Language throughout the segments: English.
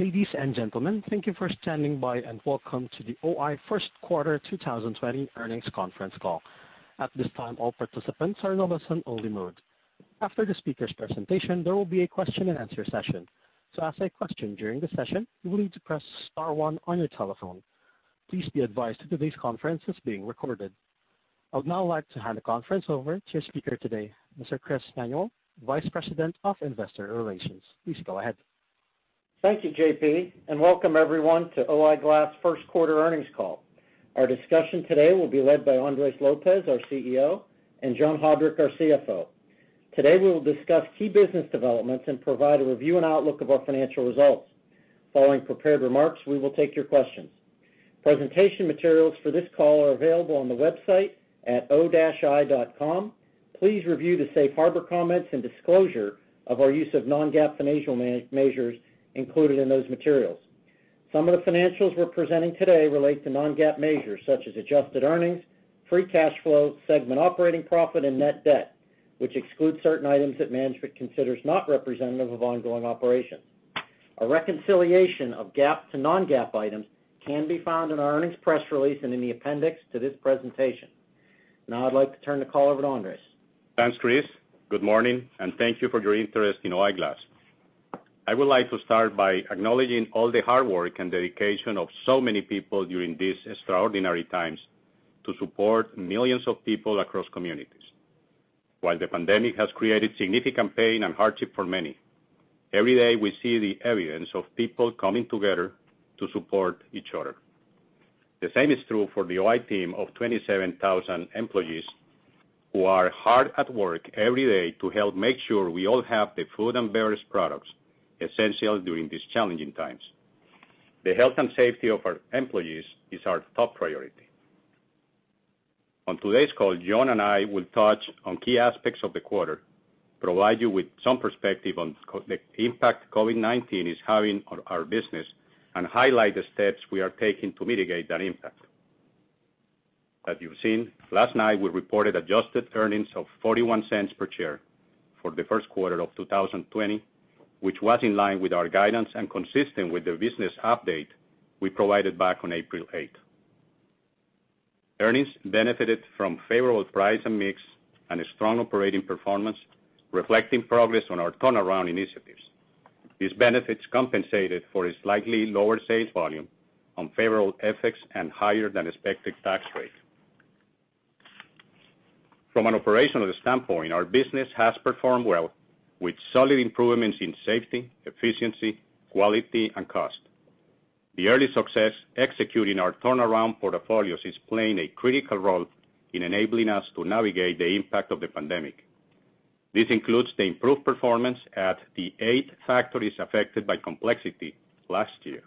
Ladies and gentlemen, thank you for standing by, and welcome to the O-I First Quarter 2020 Earnings Conference Call. At this time, all participants are in listen only mode. After the speaker's presentation, there will be a question and answer session. To ask a question during the session, you will need to press star one on your telephone. Please be advised that today's conference is being recorded. I would now like to hand the conference over to your speaker today, Mr. Chris Manuel, Vice President of Investor Relations. Please go ahead. Thank you, JP, and welcome everyone to O-I Glass first quarter earnings call. Our discussion today will be led by Andres Lopez, our CEO, and John Haudrich, our CFO. Today we will discuss key business developments and provide a review and outlook of our financial results. Following prepared remarks, we will take your questions. Presentation materials for this call are available on the website at o-i.com. Please review the safe harbor comments and disclosure of our use of non-GAAP financial measures included in those materials. Some of the financials we're presenting today relate to non-GAAP measures such as adjusted earnings, free cash flow, segment operating profit, and net debt, which excludes certain items that management considers not representative of ongoing operations. A reconciliation of GAAP to non-GAAP items can be found in our earnings press release and in the appendix to this presentation. Now I'd like to turn the call over to Andres. Thanks, Chris. Good morning. Thank you for your interest in O-I Glass. I would like to start by acknowledging all the hard work and dedication of so many people during these extraordinary times to support millions of people across communities. While the pandemic has created significant pain and hardship for many, every day we see the evidence of people coming together to support each other. The same is true for the O-I team of 27,000 employees, who are hard at work every day to help make sure we all have the food and various products essential during these challenging times. The health and safety of our employees is our top priority. On today's call, John and I will touch on key aspects of the quarter, provide you with some perspective on the impact COVID-19 is having on our business, and highlight the steps we are taking to mitigate that impact. As you've seen, last night we reported adjusted earnings of $0.41 per share for the first quarter of 2020, which was in line with our guidance and consistent with the business update we provided back on April 8th. Earnings benefited from favorable price and mix, and a strong operating performance reflecting progress on our turnaround initiatives. These benefits compensated for a slightly lower sales volume on favorable FX and higher than expected tax rate. From an operational standpoint, our business has performed well, with solid improvements in safety, efficiency, quality, and cost. The early success executing our turnaround portfolios is playing a critical role in enabling us to navigate the impact of the pandemic. This includes the improved performance at the eight factories affected by complexity last year.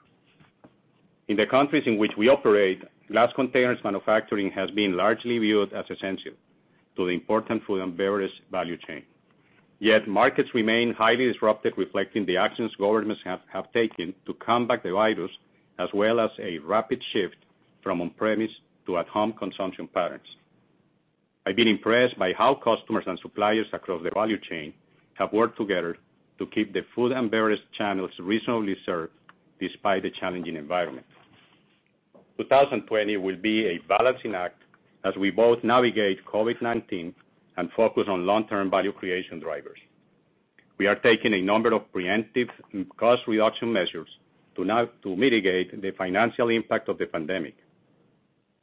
In the countries in which we operate, glass containers manufacturing has been largely viewed as essential to the important food and beverage value chain. Markets remain highly disrupted, reflecting the actions governments have taken to combat the virus, as well as a rapid shift from on-premise to at-home consumption patterns. I've been impressed by how customers and suppliers across the value chain have worked together to keep the food and beverage channels reasonably served despite the challenging environment. 2020 will be a balancing act as we both navigate COVID-19 and focus on long-term value creation drivers. We are taking a number of preemptive cost reduction measures to mitigate the financial impact of the pandemic.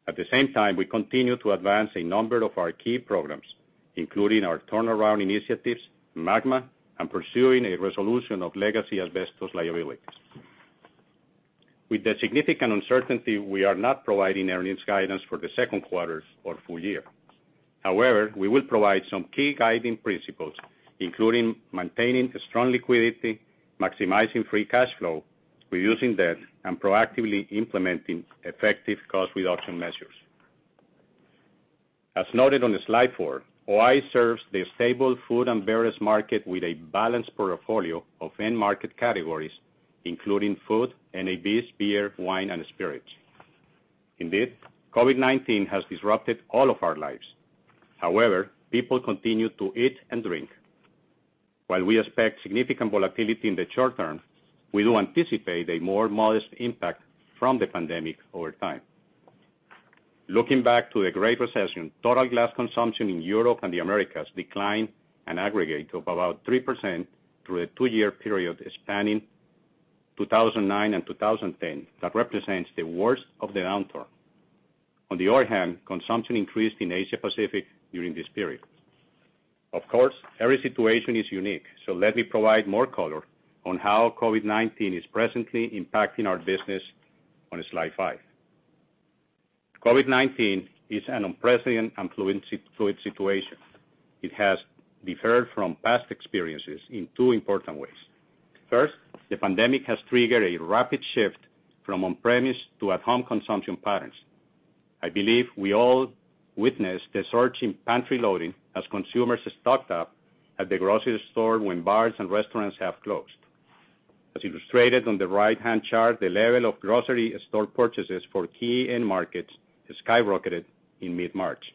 At the same time, we continue to advance a number of our key programs, including our turnaround initiatives, MAGMA, and pursuing a resolution of legacy asbestos liabilities. With the significant uncertainty, we are not providing earnings guidance for the second quarter or full year. However, we will provide some key guiding principles, including maintaining a strong liquidity, maximizing free cash flow, reducing debt, and proactively implementing effective cost reduction measures. As noted on the slide four, O-I serves the stable food and beverage market with a balanced portfolio of end market categories, including food, NAB beer, wine, and spirits. Indeed, COVID-19 has disrupted all of our lives. However, people continue to eat and drink. While we expect significant volatility in the short term, we do anticipate a more modest impact from the pandemic over time. Looking back to the Great Recession, total glass consumption in Europe and the Americas declined an aggregate of about 3% through a two-year period spanning 2009 and 2010. That represents the worst of the downturn. Consumption increased in Asia Pacific during this period. Every situation is unique, so let me provide more color on how COVID-19 is presently impacting our business on slide five. COVID-19 is an unprecedented and fluid situation. It has differed from past experiences in two important ways. First, the pandemic has triggered a rapid shift from on-premise to at-home consumption patterns. I believe we all witnessed the surge in pantry loading as consumers stocked up at the grocery store when bars and restaurants have closed. As illustrated on the right-hand chart, the level of grocery store purchases for key end markets skyrocketed in mid-March.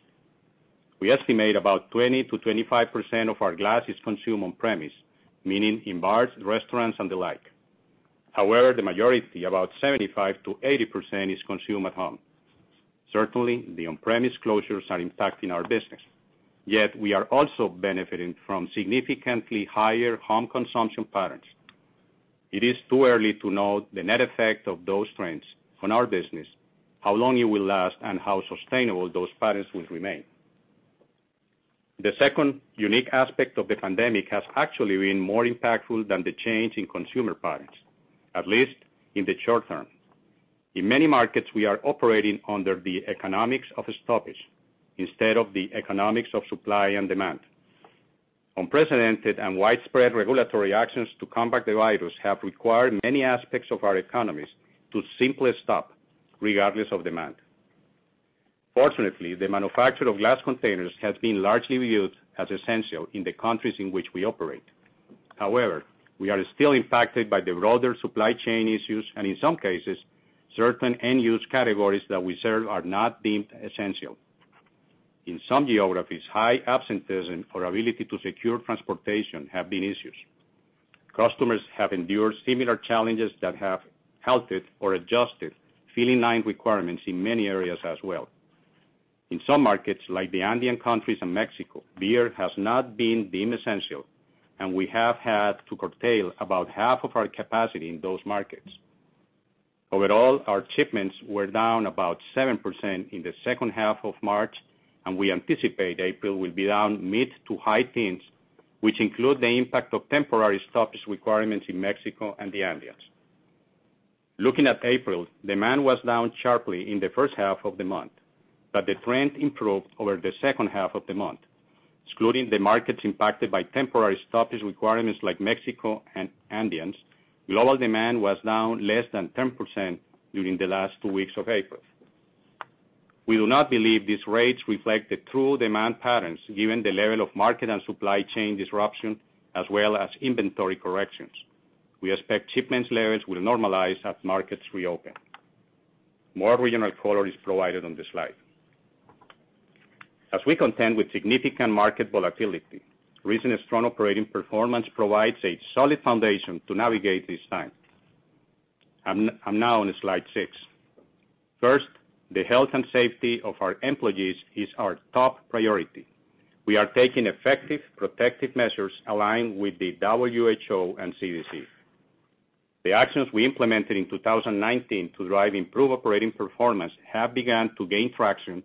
We estimate about 20%-25% of our glass is consumed on premise, meaning in bars, restaurants, and the like. However, the majority, about 75%-80%, is consumed at home. Certainly, the on-premise closures are impacting our business, yet we are also benefiting from significantly higher home consumption patterns. It is too early to know the net effect of those trends on our business, how long it will last, and how sustainable those patterns will remain. The second unique aspect of the pandemic has actually been more impactful than the change in consumer patterns, at least in the short term. In many markets, we are operating under the economics of a stoppage instead of the economics of supply and demand. Unprecedented and widespread regulatory actions to combat the virus have required many aspects of our economies to simply stop regardless of demand. Fortunately, the manufacture of glass containers has been largely viewed as essential in the countries in which we operate. However, we are still impacted by the broader supply chain issues, and in some cases, certain end-use categories that we serve are not deemed essential. In some geographies, high absenteeism or ability to secure transportation have been issues. Customers have endured similar challenges that have halted or adjusted filling line requirements in many areas as well. In some markets, like the Andean countries and Mexico, beer has not been deemed essential, and we have had to curtail about half of our capacity in those markets. Overall, our shipments were down about 7% in the second half of March, and we anticipate April will be down mid to high teens, which include the impact of temporary stoppage requirements in Mexico and the Andeans. Looking at April, demand was down sharply in the first half of the month, but the trend improved over the second half of the month. Excluding the markets impacted by temporary stoppage requirements like Mexico and Andeans, global demand was down less than 10% during the last two weeks of April. We do not believe these rates reflect the true demand patterns given the level of market and supply chain disruption as well as inventory corrections. We expect shipments levels will normalize as markets reopen. More regional color is provided on this slide. As we contend with significant market volatility, recent strong operating performance provides a solid foundation to navigate this time. I'm now on slide six. First, the health and safety of our employees is our top priority. We are taking effective protective measures aligned with the WHO and CDC. The actions we implemented in 2019 to drive improved operating performance have begun to gain traction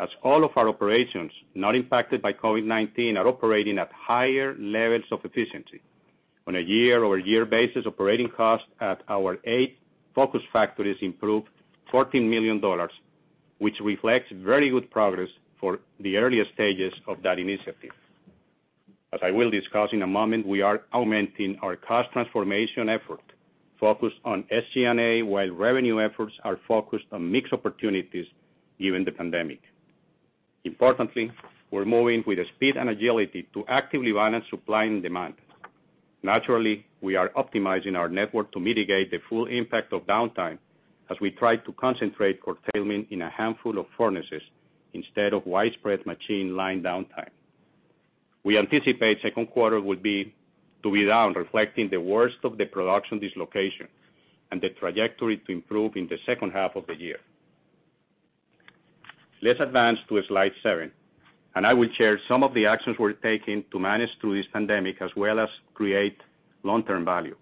as all of our operations not impacted by COVID-19 are operating at higher levels of efficiency. On a year-over-year basis, operating costs at our eight focus factories improved $14 million, which reflects very good progress for the earliest stages of that initiative. As I will discuss in a moment, we are augmenting our cost transformation effort focused on SG&A, while revenue efforts are focused on mix opportunities given the pandemic. Importantly, we're moving with speed and agility to actively balance supply and demand. Naturally, we are optimizing our network to mitigate the full impact of downtime as we try to concentrate curtailment in a handful of furnaces instead of widespread machine line downtime. We anticipate second quarter would be down, reflecting the worst of the production dislocation and the trajectory to improve in the second half of the year. Let's advance to slide seven, I will share some of the actions we're taking to manage through this pandemic as well as create long-term value.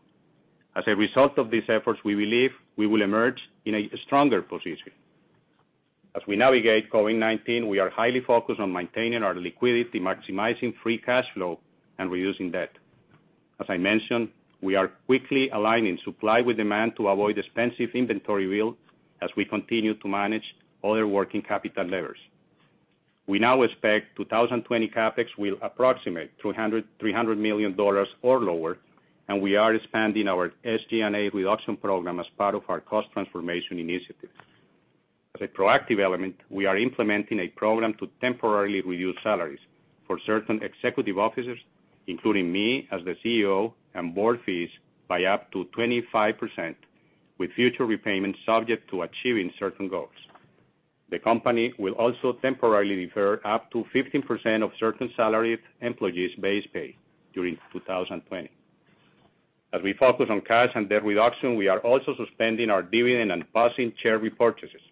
As a result of these efforts, we believe we will emerge in a stronger position. As we navigate COVID-19, we are highly focused on maintaining our liquidity, maximizing free cash flow, and reducing debt. As I mentioned, we are quickly aligning supply with demand to avoid expensive inventory build as we continue to manage other working capital levers. We now expect 2020 CapEx will approximate $300 million or lower. We are expanding our SG&A reduction program as part of our Cost Transformation Initiative. As a proactive element, we are implementing a program to temporarily reduce salaries for certain executive officers, including me as the CEO, and board fees by up to 25%, with future repayments subject to achieving certain goals. The company will also temporarily defer up to 15% of certain salaried employees' base pay during 2020. As we focus on cash and debt reduction, we are also suspending our dividend and purchasing share repurchases.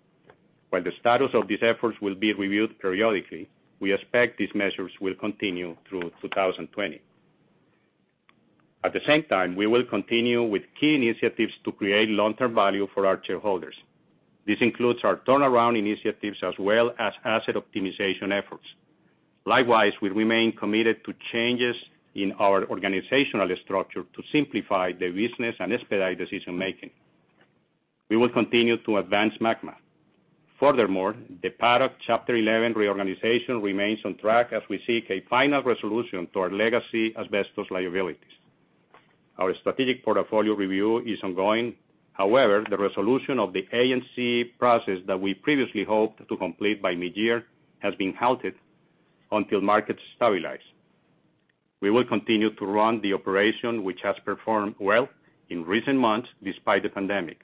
While the status of these efforts will be reviewed periodically, we expect these measures will continue through 2020. At the same time, we will continue with key initiatives to create long-term value for our shareholders. This includes our turnaround initiatives as well as asset optimization efforts. Likewise, we remain committed to changes in our organizational structure to simplify the business and expedite decision-making. We will continue to advance MAGMA. The Paddock Chapter 11 reorganization remains on track as we seek a final resolution to our legacy asbestos liabilities. Our strategic portfolio review is ongoing. The resolution of the AMC process that we previously hoped to complete by mid-year has been halted until markets stabilize. We will continue to run the operation, which has performed well in recent months despite the pandemic.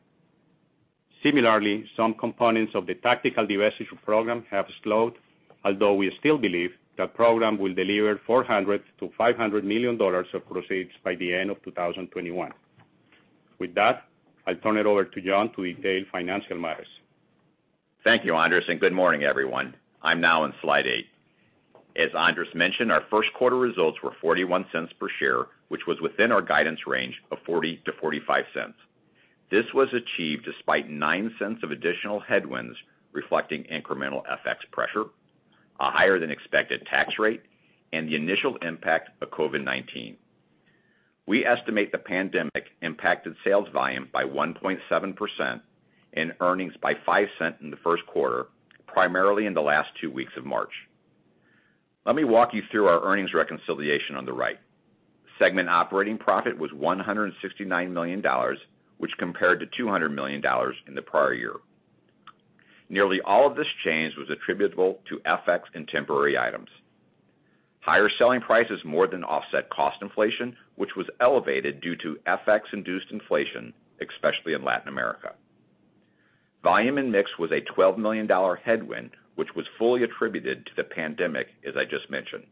Some components of the tactical divestiture program have slowed, although we still believe the program will deliver $400 million-$500 million of proceeds by the end of 2021. With that, I turn it over to John to detail financial matters. Thank you, Andres. Good morning, everyone. I'm now on slide eight. As Andres mentioned, our first quarter results were $0.41 per share, which was within our guidance range of $0.40-$0.45. This was achieved despite $0.09 of additional headwinds reflecting incremental FX pressure, a higher than expected tax rate, and the initial impact of COVID-19. We estimate the pandemic impacted sales volume by 1.7% and earnings by $0.05 in the first quarter, primarily in the last two weeks of March. Let me walk you through our earnings reconciliation on the right. Segment operating profit was $169 million, which compared to $200 million in the prior year. Nearly all of this change was attributable to FX and temporary items. Higher selling prices more than offset cost inflation, which was elevated due to FX-induced inflation, especially in Latin America. Volume and mix was a $12 million headwind, which was fully attributed to the pandemic, as I just mentioned.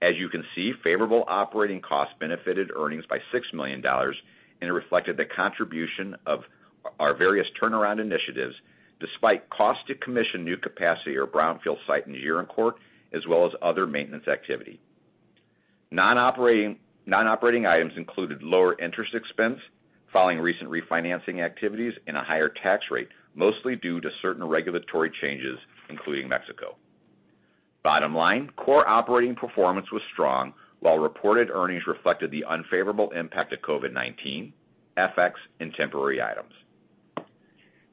As you can see, favorable operating costs benefited earnings by $6 million, and it reflected the contribution of our various turnaround initiatives, despite cost to commission new capacity or brownfield site in Zierenkrug, as well as other maintenance activity. Non-operating items included lower interest expense following recent refinancing activities and a higher tax rate, mostly due to certain regulatory changes, including Mexico. Bottom line, core operating performance was strong while reported earnings reflected the unfavorable impact of COVID-19, FX, and temporary items.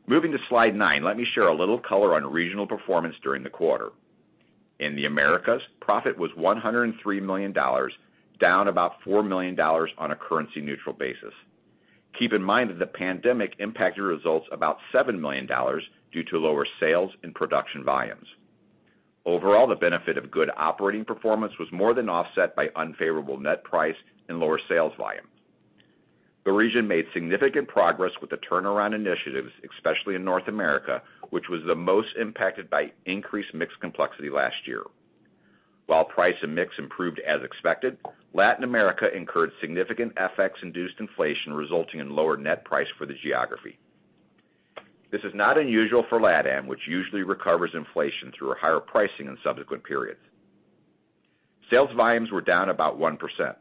Moving to slide nine, let me share a little color on regional performance during the quarter. In the Americas, profit was $103 million, down about $4 million on a currency-neutral basis. Keep in mind that the pandemic impacted results about $7 million due to lower sales and production volumes. Overall, the benefit of good operating performance was more than offset by unfavorable net price and lower sales volume. The region made significant progress with the turnaround initiatives, especially in North America, which was the most impacted by increased mix complexity last year. While price and mix improved as expected, Latin America incurred significant FX-induced inflation, resulting in lower net price for the geography. This is not unusual for LATAM, which usually recovers inflation through higher pricing in subsequent periods. Sales volumes were down about 1%.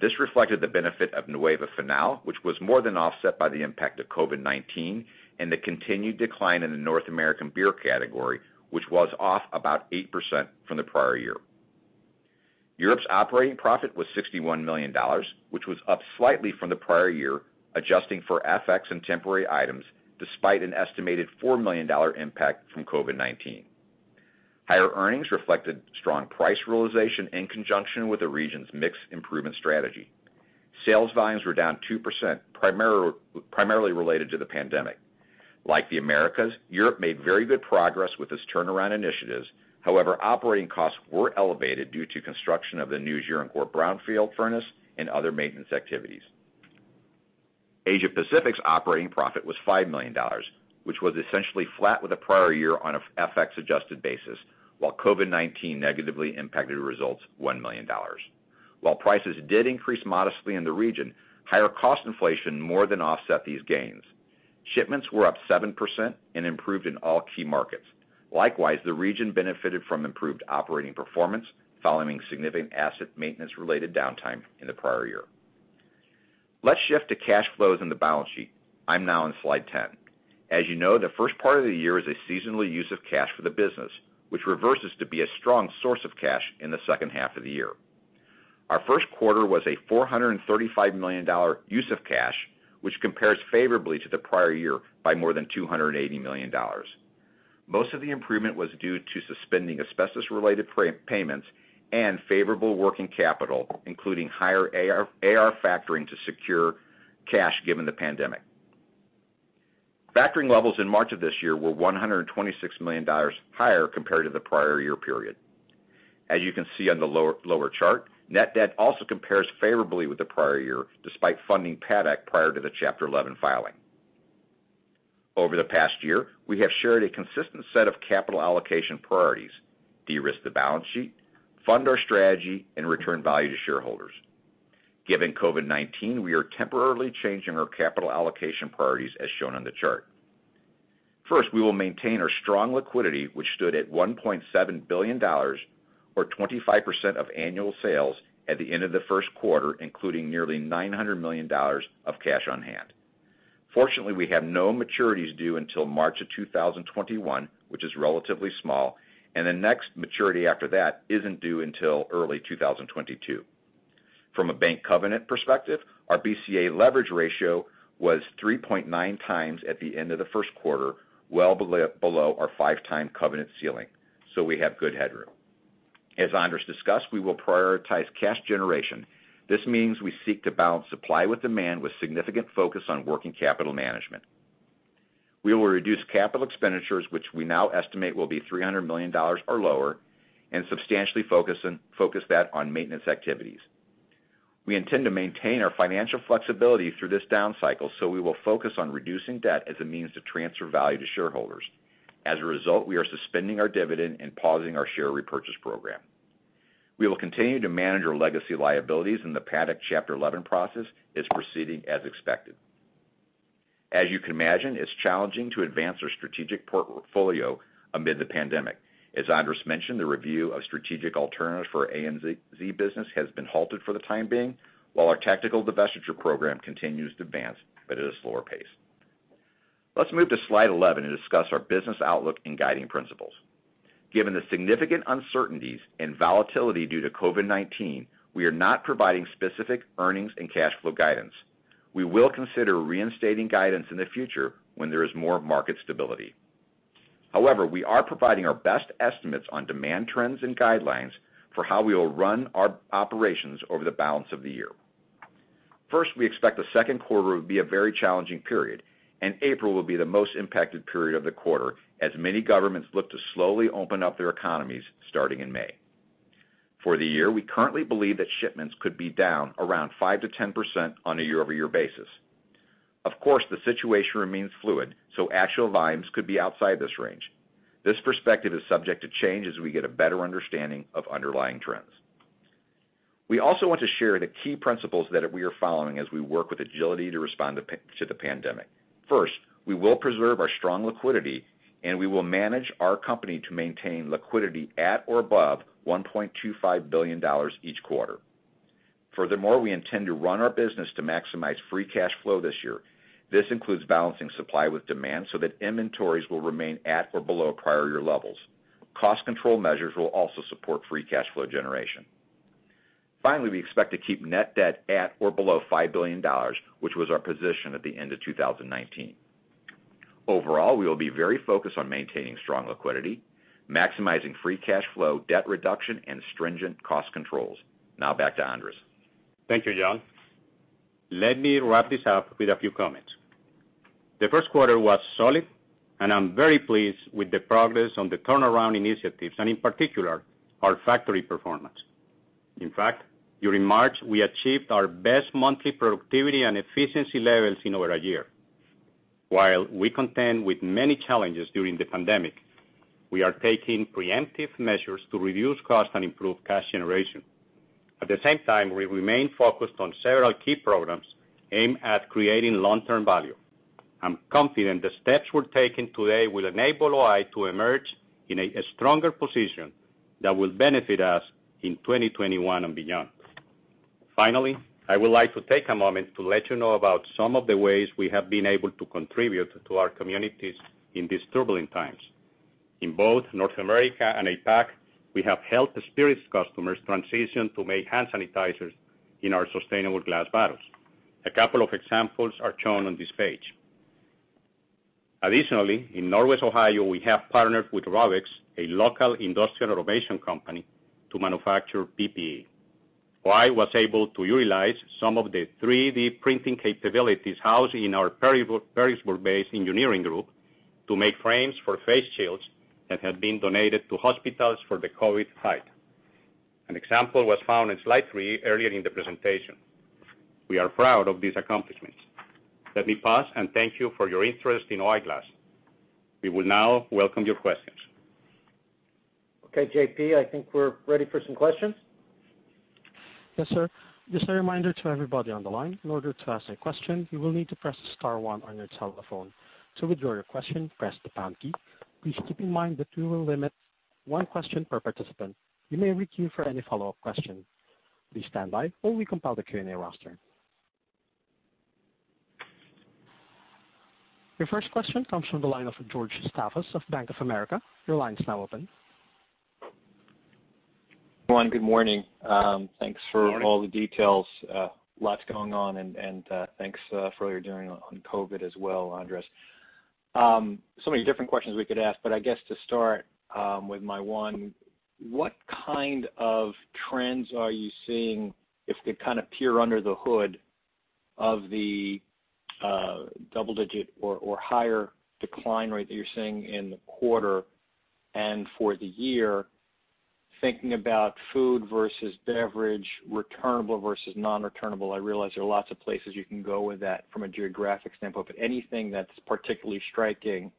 This reflected the benefit of Nueva Fanal, which was more than offset by the impact of COVID-19 and the continued decline in the North American beer category, which was off about 8% from the prior year. Europe's operating profit was $61 million, which was up slightly from the prior year, adjusting for FX and temporary items, despite an estimated $4 million impact from COVID-19. Higher earnings reflected strong price realization in conjunction with the region's mix improvement strategy. Sales volumes were down 2% primarily related to the pandemic. Like the Americas, Europe made very good progress with its turnaround initiatives. However, operating costs were elevated due to construction of the new Zierenkrug brownfield furnace and other maintenance activities. Asia Pacific's operating profit was $5 million, which was essentially flat with the prior year on an FX-adjusted basis, while COVID-19 negatively impacted results $1 million. While prices did increase modestly in the region, higher cost inflation more than offset these gains. Shipments were up 7% and improved in all key markets. Likewise, the region benefited from improved operating performance following significant asset maintenance-related downtime in the prior year. Let's shift to cash flows in the balance sheet. I'm now on slide 10. As you know, the first part of the year is a seasonal use of cash for the business, which reverses to be a strong source of cash in the second half of the year. Our first quarter was a $435 million use of cash, which compares favorably to the prior year by more than $280 million. Most of the improvement was due to suspending asbestos-related payments and favorable working capital, including higher AR factoring to secure cash given the pandemic. Factoring levels in March of this year were $126 million higher compared to the prior year period. As you can see on the lower chart, net debt also compares favorably with the prior year, despite funding Paddock prior to the Chapter 11 filing. Over the past year, we have shared a consistent set of capital allocation priorities: de-risk the balance sheet, fund our strategy, and return value to shareholders. Given COVID-19, we are temporarily changing our capital allocation priorities as shown on the chart. First, we will maintain our strong liquidity, which stood at $1.7 billion, or 25% of annual sales at the end of the first quarter, including nearly $900 million of cash on hand. Fortunately, we have no maturities due until March of 2021, which is relatively small, and the next maturity after that isn't due until early 2022. From a bank covenant perspective, our BCA leverage ratio was 3.9x at the end of the first quarter, well below our 5x covenant ceiling. We have good headroom. As Andres discussed, we will prioritize cash generation. This means we seek to balance supply with demand with significant focus on working capital management. We will reduce capital expenditures, which we now estimate will be $300 million or lower, and substantially focus that on maintenance activities. We intend to maintain our financial flexibility through this down cycle, we will focus on reducing debt as a means to transfer value to shareholders. As a result, we are suspending our dividend and pausing our share repurchase program. We will continue to manage our legacy liabilities, and the Paddock Chapter 11 process is proceeding as expected. As you can imagine, it's challenging to advance our strategic portfolio amid the pandemic. As Andres mentioned, the review of strategic alternatives for our ANZ business has been halted for the time being, while our tactical divestiture program continues to advance, but at a slower pace. Let's move to slide 11 and discuss our business outlook and guiding principles. Given the significant uncertainties and volatility due to COVID-19, we are not providing specific earnings and cash flow guidance. We will consider reinstating guidance in the future when there is more market stability. We are providing our best estimates on demand trends and guidelines for how we will run our operations over the balance of the year. We expect the second quarter will be a very challenging period, and April will be the most impacted period of the quarter as many governments look to slowly open up their economies starting in May. We currently believe that shipments could be down around 5%-10% on a year-over-year basis. The situation remains fluid, actual volumes could be outside this range. This perspective is subject to change as we get a better understanding of underlying trends. We also want to share the key principles that we are following as we work with agility to respond to the pandemic. First, we will preserve our strong liquidity, and we will manage our company to maintain liquidity at or above $1.25 billion each quarter. Furthermore, we intend to run our business to maximize free cash flow this year. This includes balancing supply with demand so that inventories will remain at or below prior year levels. Cost control measures will also support free cash flow generation. Finally, we expect to keep net debt at or below $5 billion, which was our position at the end of 2019. Overall, we will be very focused on maintaining strong liquidity, maximizing free cash flow, debt reduction, and stringent cost controls. Now back to Andres. Thank you, John. Let me wrap this up with a few comments. The first quarter was solid, and I'm very pleased with the progress on the turnaround initiatives and, in particular, our factory performance. In fact, during March, we achieved our best monthly productivity and efficiency levels in over a year. While we contend with many challenges during the pandemic, we are taking preemptive measures to reduce cost and improve cash generation. At the same time, we remain focused on several key programs aimed at creating long-term value. I'm confident the steps we're taking today will enable O-I to emerge in a stronger position that will benefit us in 2021 and beyond. Finally, I would like to take a moment to let you know about some of the ways we have been able to contribute to our communities in these turbulent times. In both North America and APAC, we have helped spirits customers transition to make hand sanitizers in our sustainable glass bottles. A couple of examples are shown on this page. Additionally, in Northwest Ohio, we have partnered with Robex, a local industrial innovation company, to manufacture PPE. O-I was able to utilize some of the 3D printing capabilities housed in our Perrysburg-based engineering group to make frames for face shields that have been donated to hospitals for the COVID fight. An example was found in slide three earlier in the presentation. We are proud of these accomplishments. Let me pause and thank you for your interest in O-I Glass. We will now welcome your questions. Okay, JP, I think we're ready for some questions. Yes, sir. Just a reminder to everybody on the line, in order to ask a question, you will need to press star one on your telephone. To withdraw your question, press the pound key. Please keep in mind that we will limit one question per participant. You may queue for any follow-up question. Please stand by while we compile the Q&A roster. Your first question comes from the line of George Staphos of Bank of America. Your line is now open. Everyone, good morning. Good morning. Thanks for all the details. Lots going on, and thanks for all you're doing on COVID as well, Andres. Many different questions we could ask, but I guess to start with my one, what kind of trends are you seeing if we kind of peer under the hood of the double-digit or higher decline rate that you're seeing in the quarter and for the year, thinking about food versus beverage, returnable versus non-returnable? I realize there are lots of places you can go with that from a geographic standpoint, but anything that's particularly striking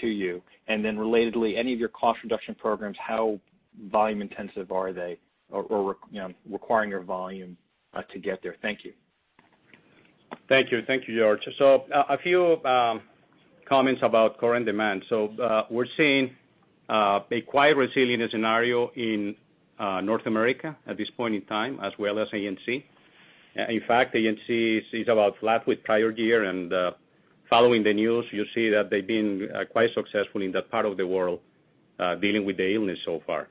to you. Relatedly, any of your cost reduction programs, how volume intensive are they or requiring your volume to get there? Thank you. Thank you, George. A few comments about current demand. We're seeing a quite resilient scenario in North America at this point in time, as well as ANZ. In fact, ANZ is about flat with prior year and, following the news, you see that they've been quite successful in that part of the world dealing with the illness so far.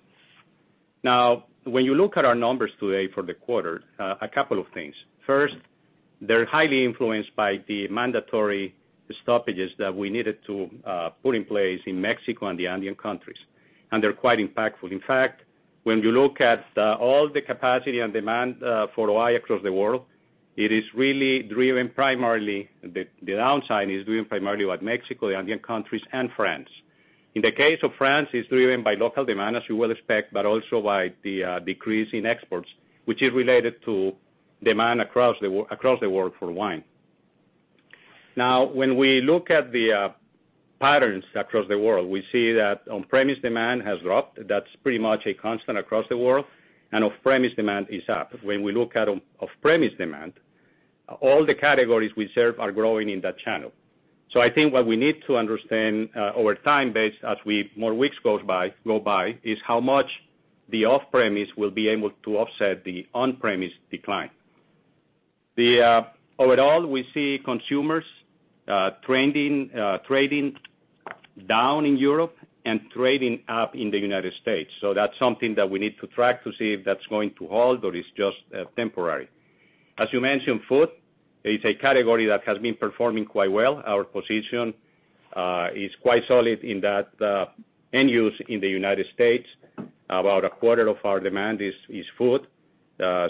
Now, when you look at our numbers today for the quarter, a couple of things. First, they're highly influenced by the mandatory stoppages that we needed to put in place in Mexico and the Andean countries, and they're quite impactful. In fact, when you look at all the capacity and demand for O-I across the world, the downside is driven primarily by Mexico, the Andean countries, and France. In the case of France, it's driven by local demand, as you would expect, but also by the decrease in exports, which is related to demand across the world for wine. When we look at the patterns across the world, we see that on-premise demand has dropped. That's pretty much a constant across the world, and off-premise demand is up. When we look at off-premise demand, all the categories we serve are growing in that channel. I think what we need to understand over time, as more weeks go by, is how much the off-premise will be able to offset the on-premise decline. Overall, we see consumers trading down in Europe and trading up in the United States. That's something that we need to track to see if that's going to hold or is just temporary. As you mentioned, food is a category that has been performing quite well. Our position is quite solid in that end use in the United States. About a quarter of our demand is food,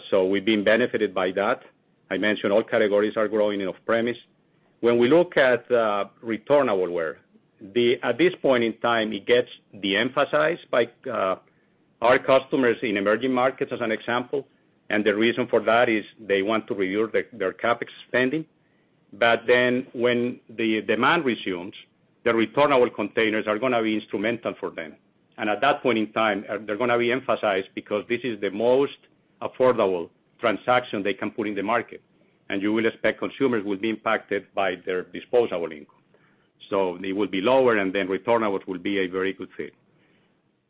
so we've been benefited by that. I mentioned all categories are growing in off-premise. When we look at returnable ware, at this point in time, it gets de-emphasized by our customers in emerging markets, as an example, and the reason for that is they want to review their CapEx spending. When the demand resumes, the returnable containers are going to be instrumental for them. At that point in time, they're going to re-emphasize because this is the most affordable transaction they can put in the market, and you will expect consumers will be impacted by their disposable income. They will be lower, and returnables will be a very good fit.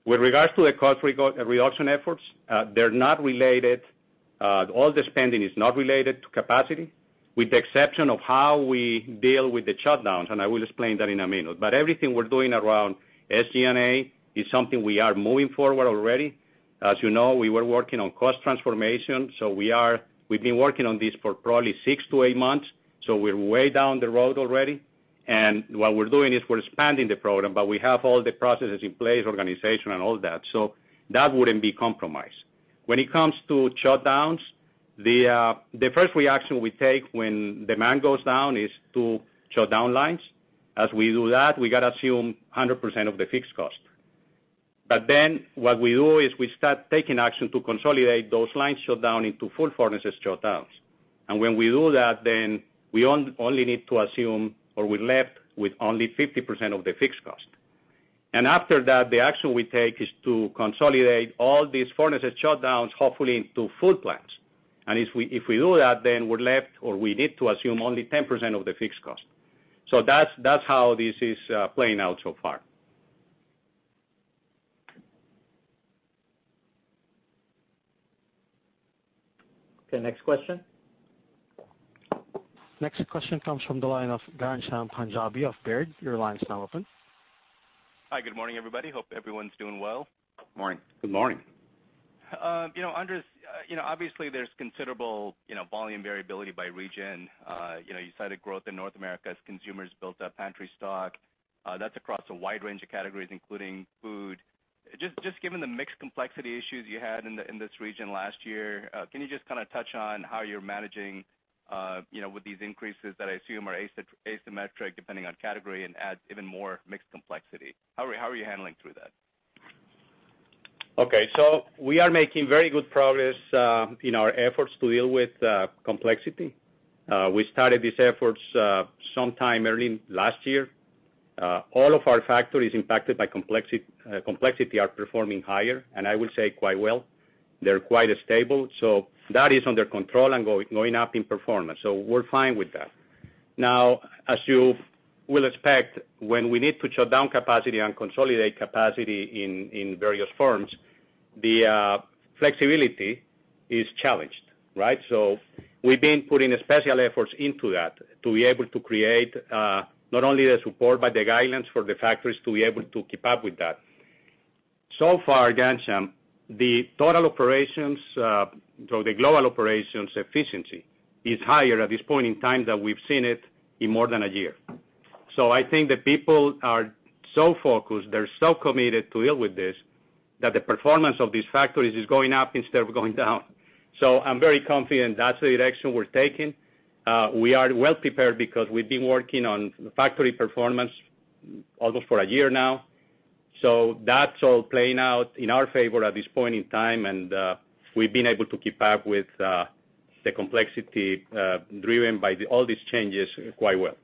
With regards to the cost reduction efforts, all the spending is not related to capacity, with the exception of how we deal with the shutdowns, and I will explain that in a minute. Everything we're doing around SG&A is something we are moving forward already. As you know, we were working on cost transformation, we've been working on this for probably six to eight months, we're way down the road already. What we're doing is we're expanding the program, we have all the processes in place, organization, and all that. That wouldn't be compromised. When it comes to shutdowns, the first reaction we take when demand goes down is to shut down lines. As we do that, we got to assume 100% of the fixed cost. What we do is we start taking action to consolidate those line shutdown into full furnaces shutdowns. When we do that, then we only need to assume, or we're left with only 50% of the fixed cost. After that, the action we take is to consolidate all these furnaces shutdowns, hopefully into full plants. If we do that, then we're left, or we need to assume only 10% of the fixed cost. That's how this is playing out so far. Okay, next question? Next question comes from the line of Ghansham Panjabi of Baird. Your line is now open. Hi, good morning, everybody. Hope everyone's doing well. Morning. Good morning. Andres, obviously there's considerable volume variability by region. You cited growth in North America as consumers built up pantry stock. That's across a wide range of categories, including food. Just given the mixed complexity issues you had in this region last year, can you just kind of touch on how you're managing with these increases that I assume are asymmetric depending on category and add even more mixed complexity? How are you handling through that? Okay. We are making very good progress in our efforts to deal with complexity. We started these efforts sometime early last year. All of our factories impacted by complexity are performing higher, and I would say quite well. They're quite stable. That is under control and going up in performance. We're fine with that. Now, as you will expect, when we need to shut down capacity and consolidate capacity in various firms, the flexibility is challenged, right? We've been putting special efforts into that to be able to create not only the support, but the guidance for the factories to be able to keep up with that. So far, Ghansham, the total operations, so the global operations efficiency, is higher at this point in time than we've seen it in more than a year. I think the people are so focused, they're so committed to deal with this, that the performance of these factories is going up instead of going down. I'm very confident that's the direction we're taking. We are well prepared because we've been working on factory performance almost for a year now. That's all playing out in our favor at this point in time, and we've been able to keep up with the complexity driven by all these changes quite well.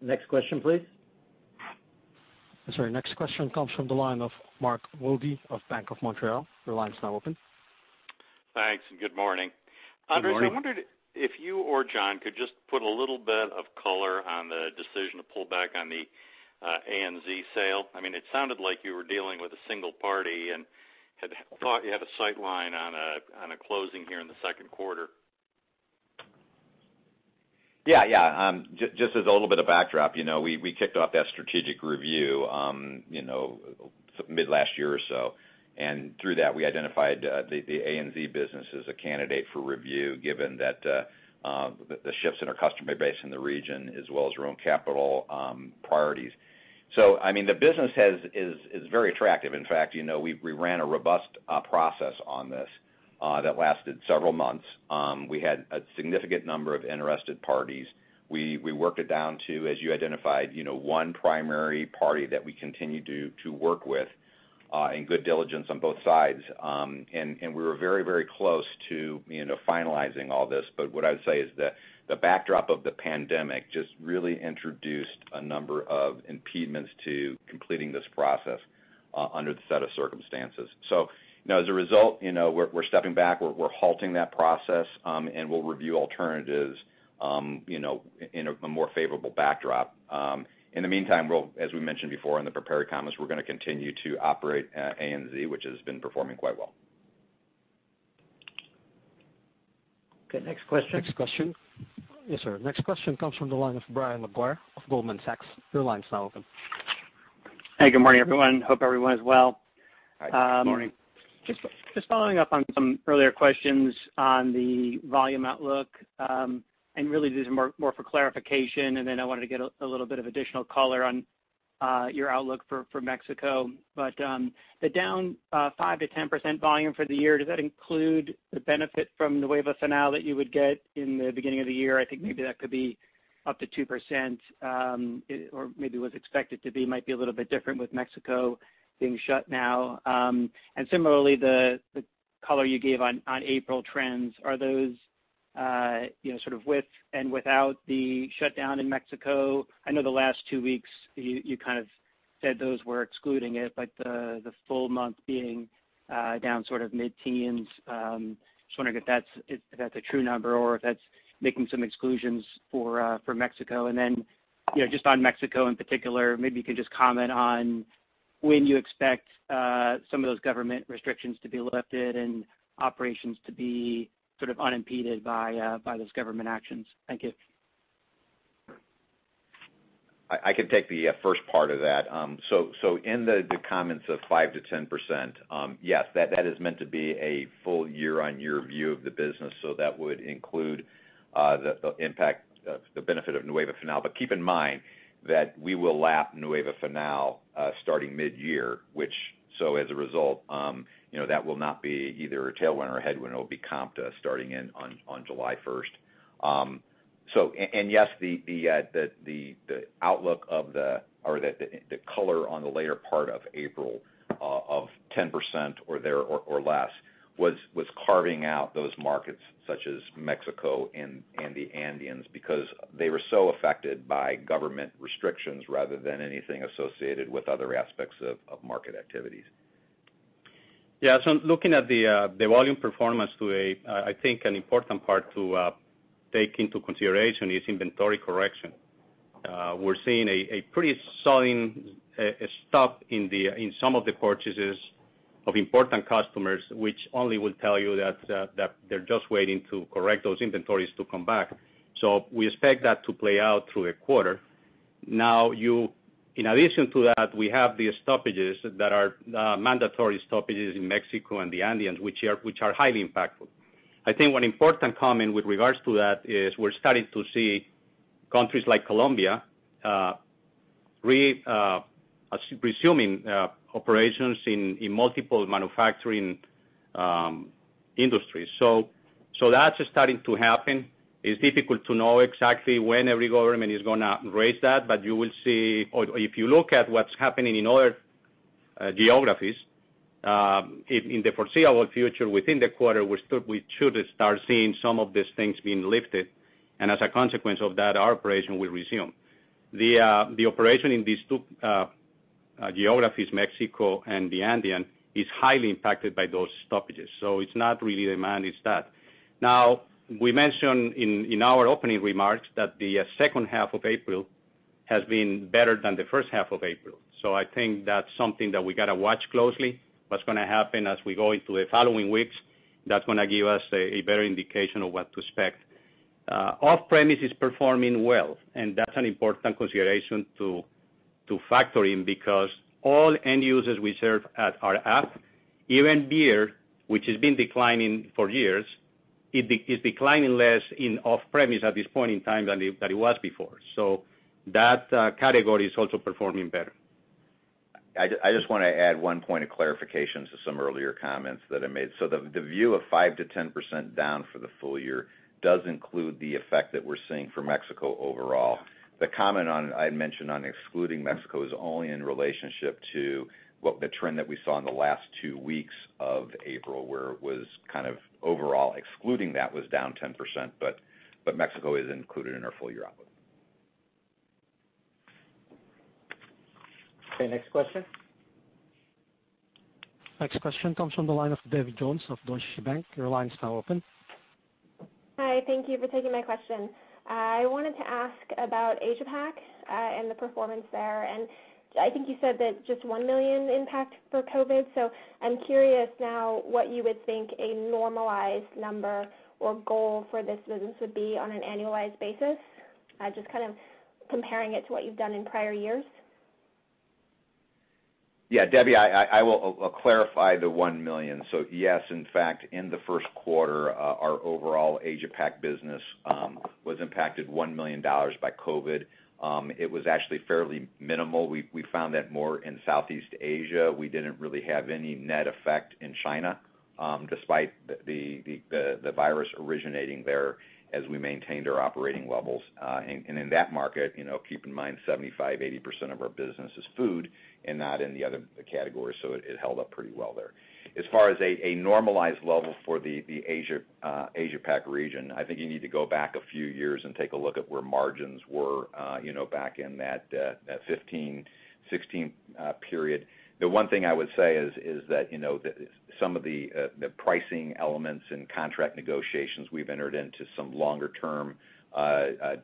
Next question, please. Sorry. Next question comes from the line of Mark Wilde of Bank of Montreal. Your line is now open. Thanks, and good morning. Good morning. Andres, I wondered if you or John could just put a little bit of color on the decision to pull back on the ANZ sale. It sounded like you were dealing with a single party and had thought you had a sight line on a closing here in the second quarter? Just as a little bit of backdrop, we kicked off that strategic review mid last year or so. Through that, we identified the ANZ business as a candidate for review, given the shifts in our customer base in the region, as well as our own capital priorities. The business is very attractive. In fact, we ran a robust process on this that lasted several months. We had a significant number of interested parties. We worked it down to, as you identified, one primary party that we continue to work with in good diligence on both sides. We were very close to finalizing all this. What I would say is that the backdrop of the pandemic just really introduced a number of impediments to completing this process under the set of circumstances. As a result, we're stepping back. We're halting that process, and we'll review alternatives in a more favorable backdrop. In the meantime, as we mentioned before in the prepared comments, we're going to continue to operate ANZ, which has been performing quite well. Okay, next question. Next question. Yes, sir. Next question comes from the line of Brian Maguire of Goldman Sachs. Your line is now open. Hey, good morning, everyone. Hope everyone is well. Good morning. Just following up on some earlier questions on the volume outlook, really this is more for clarification, then I wanted to get a little bit of additional color on your outlook for Mexico. The down 5%-10% volume for the year, does that include the benefit from Nueva Fanal that you would get in the beginning of the year? I think maybe that could be up to 2%, or maybe was expected to be, might be a little bit different with Mexico being shut now. Similarly, the color you gave on April trends, are those sort of with and without the shutdown in Mexico? I know the last two weeks, you kind of said those were excluding it, but the full month being down sort of mid-teens. Just wondering if that's a true number or if that's making some exclusions for Mexico. Just on Mexico in particular, maybe you could just comment on when you expect some of those government restrictions to be lifted and operations to be sort of unimpeded by those government actions. Thank you. I can take the first part of that. In the comments of 5%-10%, yes, that is meant to be a full year-on-year view of the business. That would include the impact of the benefit of Nueva Fanal. Keep in mind that we will lap Nueva Fanal starting mid-year, so as a result, that will not be either a tailwind or a headwind. It will be comp to us starting on July 1st. Yes, the outlook of the color on the later part of April of 10% or less was carving out those markets, such as Mexico and the Andeans, because they were so affected by government restrictions rather than anything associated with other aspects of market activities. Looking at the volume performance, I think an important part to take into consideration is inventory correction. We're seeing a pretty sudden stop in some of the purchases of important customers, which only will tell you that they're just waiting to correct those inventories to come back. We expect that to play out through a quarter. In addition to that, we have the stoppages that are mandatory stoppages in Mexico and the Andeans, which are highly impactful. I think one important comment with regards to that is we're starting to see countries like Colombia resuming operations in multiple manufacturing industries. That's starting to happen. It's difficult to know exactly when every government is going to raise that, but if you look at what's happening in other geographies, in the foreseeable future within the quarter, we should start seeing some of these things being lifted. As a consequence of that, our operation will resume. The operation in these two geographies, Mexico and the Andean, is highly impacted by those stoppages. It's not really demand, it's that. We mentioned in our opening remarks that the second half of April has been better than the first half of April. I think that's something that we got to watch closely. What's going to happen as we go into the following weeks, that's going to give us a better indication of what to expect. Off-premise is performing well, and that's an important consideration to factor in because all end users we serve at O-I, even beer, which has been declining for years, is declining less in off-premise at this point in time than it was before. That category is also performing better. I just want to add one point of clarification to some earlier comments that I made. The view of 5%-10% down for the full year does include the effect that we're seeing for Mexico overall. The comment I had mentioned on excluding Mexico is only in relationship to the trend that we saw in the last two weeks of April, where it was kind of overall excluding that was down 10%. Mexico is included in our full-year outlook. Okay, next question. Next question comes from the line of Debbie Jones of Deutsche Bank. Your line is now open. Hi, thank you for taking my question. I wanted to ask about Asia-Pac and the performance there. I think you said that just $1 million impact for COVID. I'm curious now what you would think a normalized number or goal for this business would be on an annualized basis, just kind of comparing it to what you've done in prior years? Yeah, Debbie, I will clarify the $1 million. Yes, in fact, in the first quarter, our overall Asia-Pac business was impacted $1 million by COVID. It was actually fairly minimal. We found that more in Southeast Asia. We didn't really have any net effect in China, despite the virus originating there, as we maintained our operating levels. In that market, keep in mind, 75%-80% of our business is food and not in the other categories, so it held up pretty well there. As far as a normalized level for the Asia-Pac region, I think you need to go back a few years and take a look at where margins were back in that 2015, 2016 period. The one thing I would say is that some of the pricing elements and contract negotiations, we've entered into some longer-term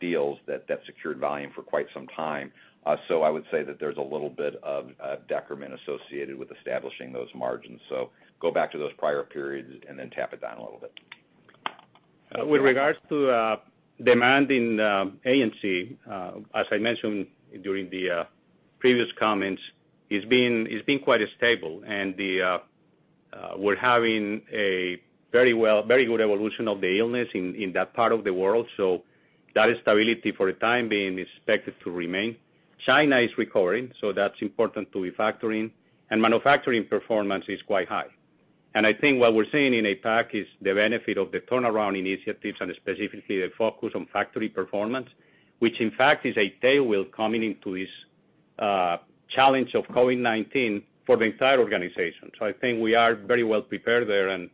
deals that secured volume for quite some time. I would say that there's a little bit of decrement associated with establishing those margins. Go back to those prior periods and then tap it down a little bit. With regards to demand in ANZ, as I mentioned during the previous comments, it's been quite stable. We're having a very good evolution of the illness in that part of the world. That stability for the time being is expected to remain. China is recovering, so that's important to refactoring, and manufacturing performance is quite high. I think what we're seeing in APAC is the benefit of the turnaround initiatives and specifically the focus on factory performance, which in fact is a tailwind coming into this challenge of COVID-19 for the entire organization. I think we are very well prepared there, and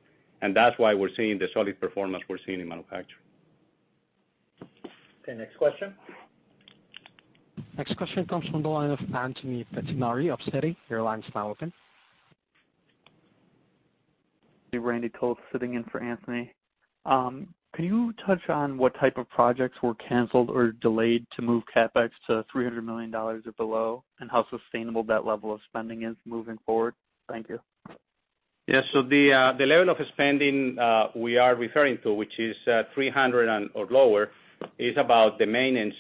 that's why we're seeing the solid performance we're seeing in manufacturing. Okay, next question. Next question comes from the line of Anthony Pettinari of Citi. Your line's now open. Randy Toth sitting in for Anthony. Can you touch on what type of projects were canceled or delayed to move CapEx to $300 million or below, and how sustainable that level of spending is moving forward? Thank you. The level of spending we are referring to, which is $300 and/or lower, is about the maintenance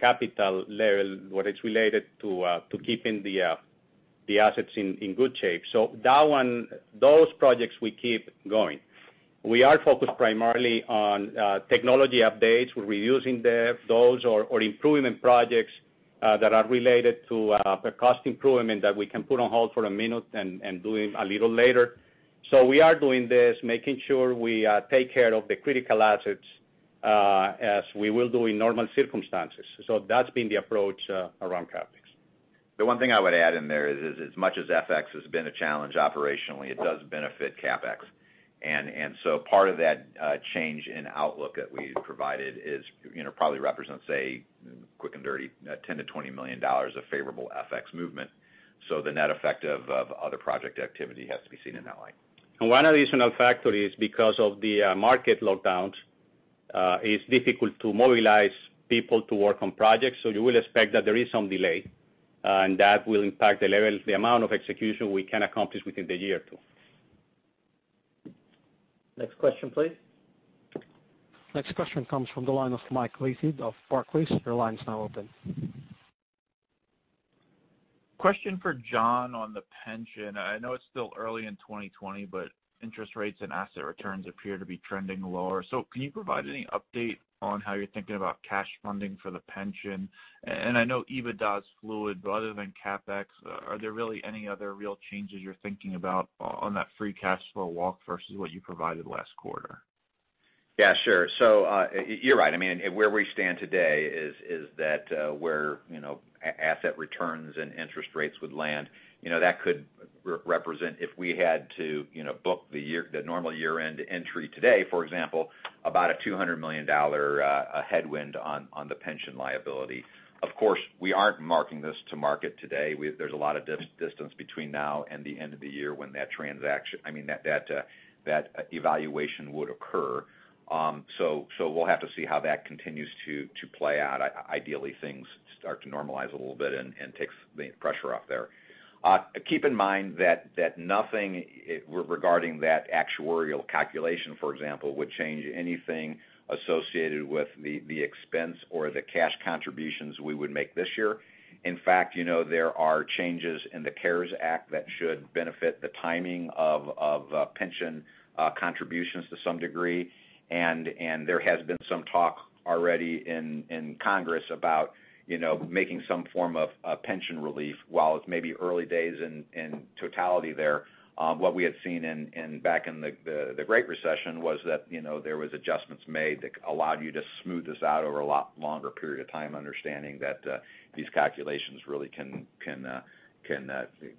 capital level, what is related to keeping the assets in good shape. Those projects we keep going. We are focused primarily on technology updates. We're reusing those or improvement projects that are related to the cost improvement that we can put on hold for a minute and do a little later. We are doing this, making sure we take care of the critical assets as we will do in normal circumstances. That's been the approach around CapEx. The one thing I would add in there is, as much as FX has been a challenge operationally, it does benefit CapEx. Part of that change in outlook that we provided probably represents a quick and dirty $10 million-$20 million of favorable FX movement. The net effect of other project activity has to be seen in that light. One additional factor is because of the market lockdowns, it's difficult to mobilize people to work on projects. You will expect that there is some delay, and that will impact the amount of execution we can accomplish within the year too. Next question, please. Next question comes from the line of Michael Weiss of Barclays. Your line is now open. Question for John on the pension. I know it's still early in 2020, interest rates and asset returns appear to be trending lower. Can you provide any update on how you're thinking about cash funding for the pension? I know EBITDA is fluid, other than CapEx, are there really any other real changes you're thinking about on that free cash flow walk versus what you provided last quarter? Yeah, sure. You're right. Where we stand today is that where asset returns and interest rates would land. That could represent if we had to book the normal year-end entry today, for example, about a $200 million headwind on the pension liability. Of course, we aren't marking this to market today. There's a lot of distance between now and the end of the year when that evaluation would occur. We'll have to see how that continues to play out. Ideally, things start to normalize a little bit and takes the pressure off there. Keep in mind that nothing regarding that actuarial calculation, for example, would change anything associated with the expense or the cash contributions we would make this year. In fact, there are changes in the CARES Act that should benefit the timing of pension contributions to some degree. There has been some talk already in Congress about making some form of pension relief, while it's maybe early days in totality there. What we had seen back in the Great Recession was that there was adjustments made that allowed you to smooth this out over a lot longer period of time, understanding that these calculations really can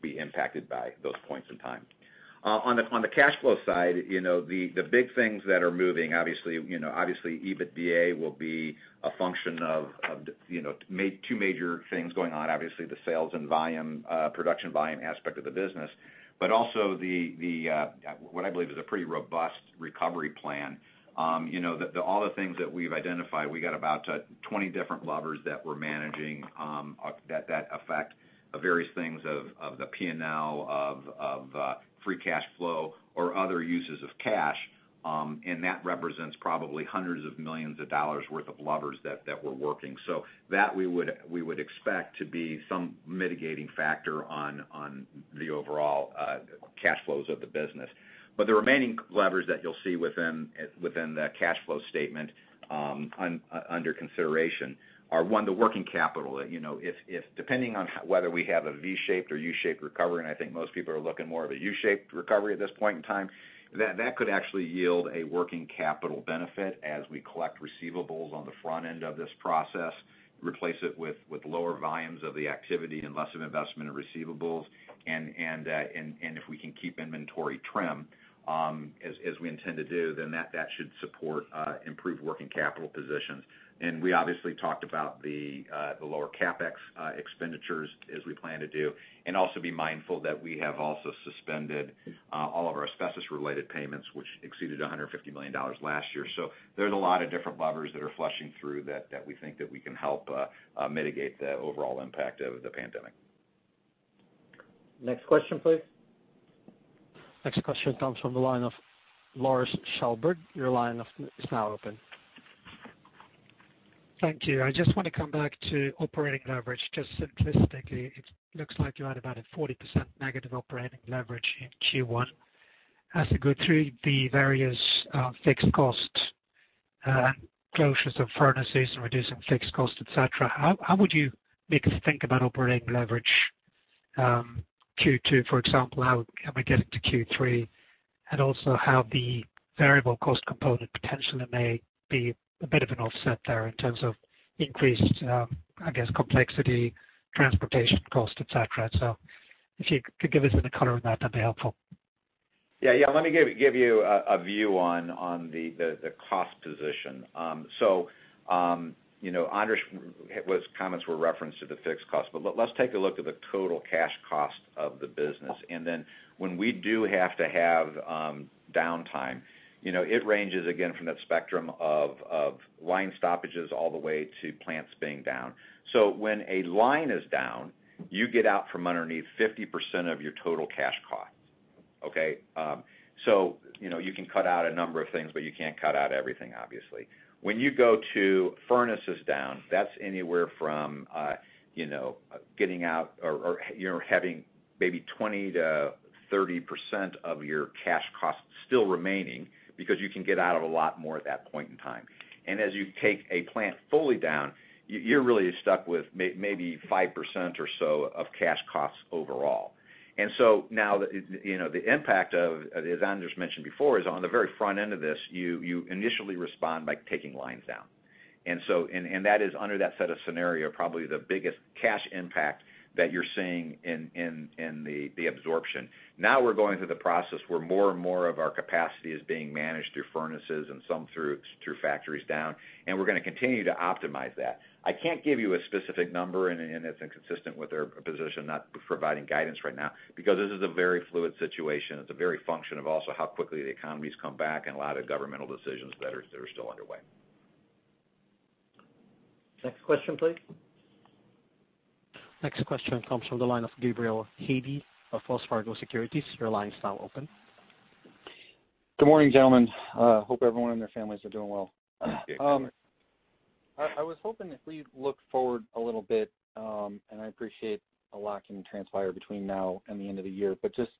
be impacted by those points in time. On the cash flow side, the big things that are moving, obviously EBITDA will be a function of two major things going on. Obviously, the sales and volume production aspect of the business, but also what I believe is a pretty robust recovery plan. All the things that we've identified, we got about 20 different levers that we're managing that affect various things of the P&L, of free cash flow, or other uses of cash. That represents probably hundreds of millions of dollars worth of levers that we're working. That we would expect to be some mitigating factor on the overall cash flows of the business. The remaining levers that you'll see within the cash flow statement under consideration are one, the working capital. Depending on whether we have a V-shaped or U-shaped recovery, and I think most people are looking more of a U-shaped recovery at this point in time, that could actually yield a working capital benefit as we collect receivables on the front end of this process, replace it with lower volumes of the activity and less of an investment in receivables. If we can keep inventory trim, as we intend to do, then that should support improved working capital positions. We obviously talked about the lower CapEx expenditures as we plan to do. Also be mindful that we have also suspended all of our asbestos-related payments, which exceeded $150 million last year. There's a lot of different levers that are flushing through that we think that we can help mitigate the overall impact of the pandemic. Next question, please. Next question comes from the line of Lars Kjellberg. Your line is now open. Thank you. I just want to come back to operating leverage. Just simplistically, it looks like you had about a 40% negative operating leverage in Q1. As we go through the various fixed costs, closures of furnaces and reducing fixed costs, et cetera, how would you make us think about operating leverage Q2, for example, how am I getting to Q3? Also how the variable cost component potentially may be a bit of an offset there in terms of increased, I guess, complexity, transportation cost, et cetera. If you could give us a bit of color on that'd be helpful. Let me give you a view on the cost position. Andres, his comments were referenced to the fixed cost, but let's take a look at the total cash cost of the business. When we do have to have downtime, it ranges, again, from that spectrum of line stoppages all the way to plants being down. When a line is down, you get out from underneath 50% of your total cash cost. Okay? You can cut out a number of things, but you can't cut out everything, obviously. When you go to furnaces down, that's anywhere from getting out or you're having maybe 20%-30% of your cash costs still remaining because you can get out of a lot more at that point in time. As you take a plant fully down, you're really stuck with maybe 5% or so of cash costs overall. Now, the impact of, as Andres mentioned before, is on the very front end of this, you initially respond by taking lines down. That is under that set of scenario, probably the biggest cash impact that you're seeing in the absorption. Now we're going through the process where more and more of our capacity is being managed through furnaces and some through factories down, and we're going to continue to optimize that. I can't give you a specific number, and it's inconsistent with our position not providing guidance right now because this is a very fluid situation. It's a very function of also how quickly the economies come back and a lot of governmental decisions that are still underway. Next question, please. Next question comes from the line of Gabriel Hajde of Wells Fargo Securities. Your line is now open. Good morning, gentlemen. Hope everyone and their families are doing well. Thank you. I was hoping if we look forward a little bit. I appreciate a lot can transpire between now and the end of the year, but just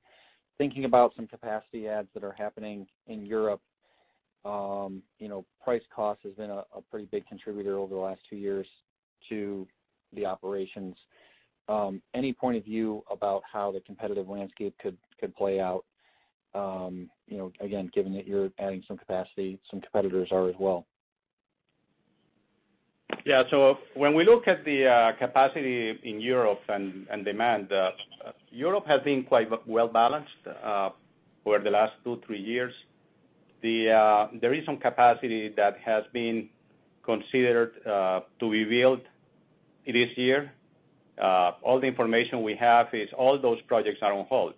thinking about some capacity adds that are happening in Europe. Price cost has been a pretty big contributor over the last two years to the operations. Any point of view about how the competitive landscape could play out? Again, given that you're adding some capacity, some competitors are as well. Yeah. When we look at the capacity in Europe and demand, Europe has been quite well-balanced over the last two, three years. There is some capacity that has been considered to be built this year. All the information we have is all those projects are on hold.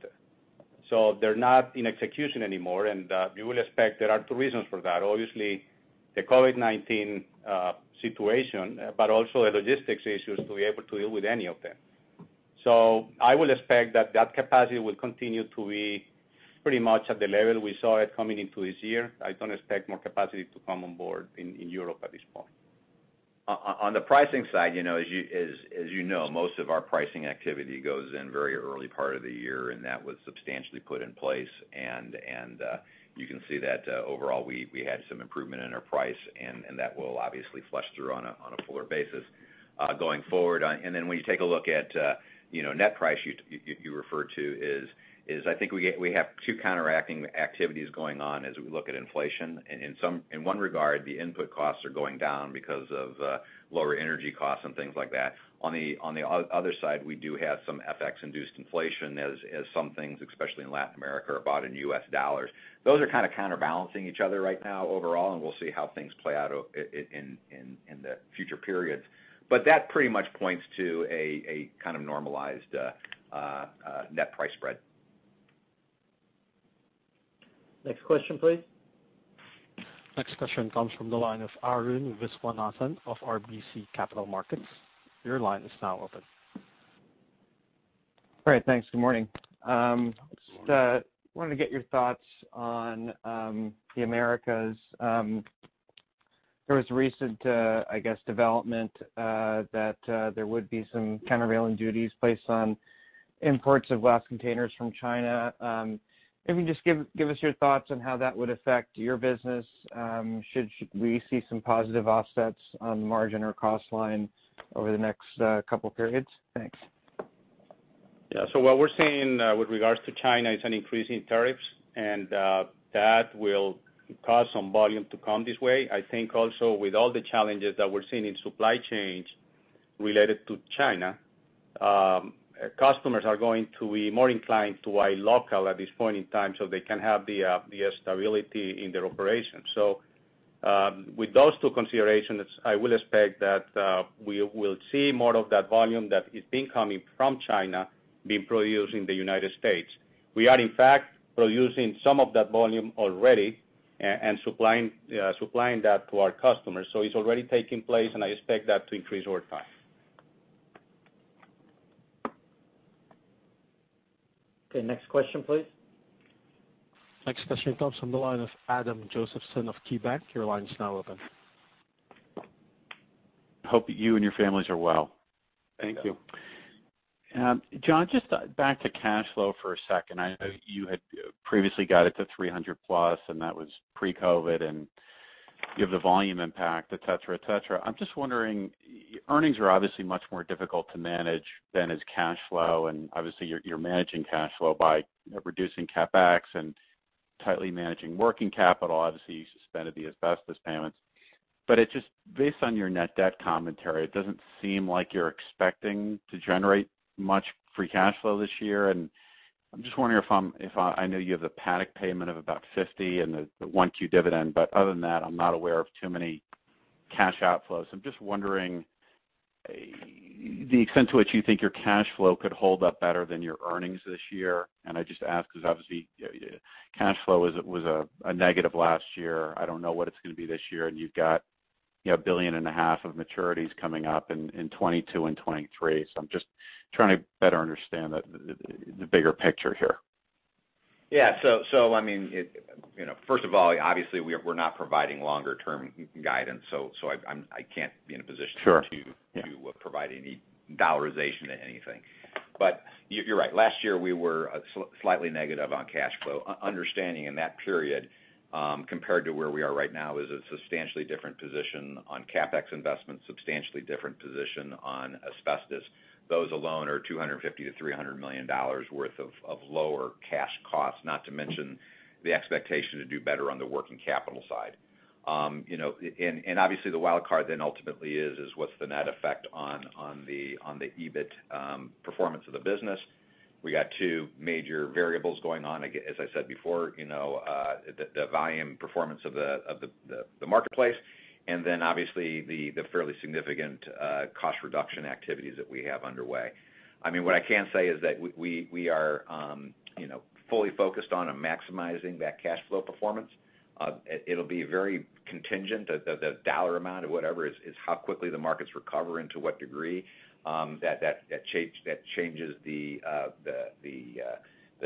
They're not in execution anymore, and you will expect there are two reasons for that. Obviously, the COVID-19 situation, but also the logistics issues to be able to deal with any of them. I will expect that that capacity will continue to be pretty much at the level we saw it coming into this year. I don't expect more capacity to come on board in Europe at this point. On the pricing side, as you know, most of our pricing activity goes in very early part of the year, and that was substantially put in place. You can see that overall, we had some improvement in our price, and that will obviously flush through on a fuller basis going forward. When you take a look at net price you refer to is I think we have two counteracting activities going on as we look at inflation. In one regard, the input costs are going down because of lower energy costs and things like that. On the other side, we do have some FX-induced inflation as some things, especially in Latin America, are bought in U.S. dollars. Those are kind of counterbalancing each other right now overall, and we'll see how things play out in the future periods. That pretty much points to a kind of normalized net price spread. Next question, please. Next question comes from the line of Arun Viswanathan of RBC Capital Markets. Your line is now open. Great, thanks. Good morning. Good morning. Just wanted to get your thoughts on the Americas. There was recent, I guess, development that there would be some countervailing duties placed on imports of glass containers from China. If you can just give us your thoughts on how that would affect your business? Should we see some positive offsets on the margin or cost line over the next couple of periods? Thanks. What we're seeing with regards to China is an increase in tariffs, and that will cause some volume to come this way. I think also with all the challenges that we're seeing in supply chains related to China, customers are going to be more inclined to buy local at this point in time so they can have the stability in their operations. With those two considerations, I will expect that we will see more of that volume that has been coming from China, being produced in the United States. We are, in fact, producing some of that volume already and supplying that to our customers. It's already taking place, and I expect that to increase over time. Okay, next question please. Next question comes from the line of Adam Josephson of KeyBanc. Your line is now open. Hope you and your families are well. Thank you. John, just back to cash flow for a second. I know you had previously got it to $300+, and that was pre-COVID, and you have the volume impact, et cetera. I'm just wondering, earnings are obviously much more difficult to manage than is cash flow. Obviously, you're managing cash flow by reducing CapEx and tightly managing working capital. Obviously, you suspended the asbestos payments. It's just based on your net debt commentary, it doesn't seem like you're expecting to generate much free cash flow this year. I'm just wondering. I know you have the Paddock payment of about $50 and the 1Q dividend. Other than that, I'm not aware of too many cash outflows. I'm just wondering the extent to which you think your cash flow could hold up better than your earnings this year. I just ask because obviously cash flow was a negative last year. I don't know what it's going to be this year. You've got 1.5 billion of maturities coming up in 2022 and 2023. I'm just trying to better understand the bigger picture here. Yeah. First of all, obviously, we're not providing longer-term guidance, so I can't be in a position- Sure. ...to provide any dollarization to anything. You're right. Last year, we were slightly negative on cash flow. Understanding in that period, compared to where we are right now, is a substantially different position on CapEx investments, substantially different position on asbestos. Those alone are $250 million-$300 million worth of lower cash costs, not to mention the expectation to do better on the working capital side. Obviously, the wild card then ultimately is what's the net effect on the EBIT performance of the business. We got two major variables going on. As I said before, the volume performance of the marketplace, obviously the fairly significant cost reduction activities that we have underway. What I can say is that we are fully focused on maximizing that cash flow performance. It'll be very contingent, the dollar amount or whatever, is how quickly the markets recover and to what degree. That changes the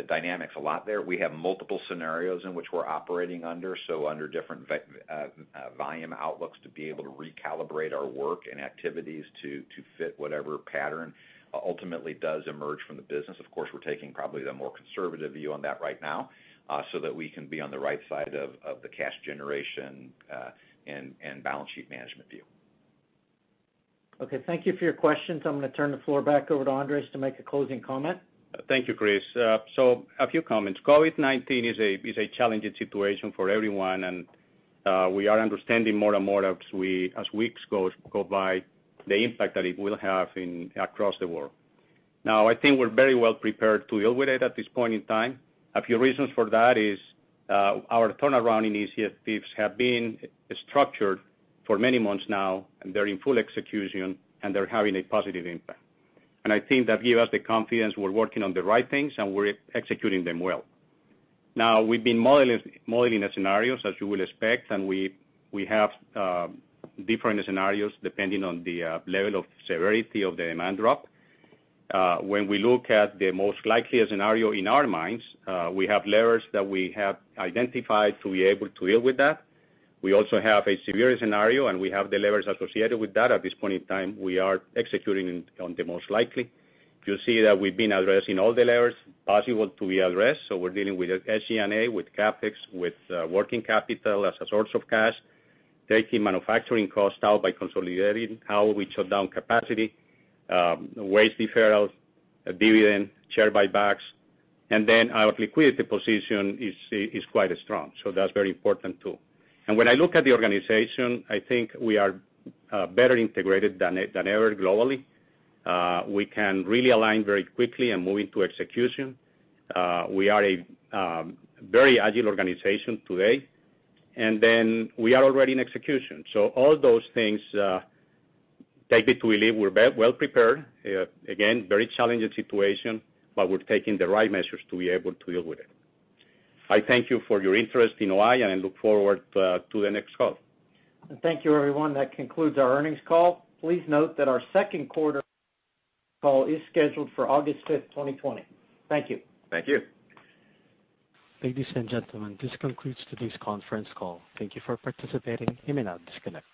dynamics a lot there. We have multiple scenarios in which we're operating under, so under different volume outlooks to be able to recalibrate our work and activities to fit whatever pattern ultimately does emerge from the business. Of course, we're taking probably the more conservative view on that right now, so that we can be on the right side of the cash generation, and balance sheet management view. Okay. Thank you for your questions. I'm going to turn the floor back over to Andres to make a closing comment. Thank you, Chris. A few comments. COVID-19 is a challenging situation for everyone, and we are understanding more and more as weeks go by, the impact that it will have across the world. I think we're very well prepared to deal with it at this point in time. A few reasons for that is our turnaround initiatives have been structured for many months now, and they're in full execution, and they're having a positive impact. I think that give us the confidence we're working on the right things, and we're executing them well. We've been modeling the scenarios as you will expect, and we have different scenarios depending on the level of severity of the demand drop. When we look at the most likeliest scenario in our minds, we have levers that we have identified to be able to deal with that. We also have a severe scenario, and we have the levers associated with that. At this point in time, we are executing on the most likely. You'll see that we've been addressing all the levers possible to be addressed. We're dealing with SG&A, with CapEx, with working capital as a source of cash, taking manufacturing costs out by consolidating how we shut down capacity, wage deferrals, dividend, share buybacks, and our liquidity position is quite strong. That's very important, too. When I look at the organization, I think we are better integrated than ever globally. We can really align very quickly and move into execution. We are a very agile organization today, and we are already in execution. All those things take it we're well prepared. Again, very challenging situation, but we're taking the right measures to be able to deal with it. I thank you for your interest in O-I, and I look forward to the next call. Thank you, everyone. That concludes our earnings call. Please note that our second quarter call is scheduled for August 5th, 2020. Thank you. Thank you. Ladies and gentlemen, this concludes today's conference call. Thank you for participating. You may now disconnect.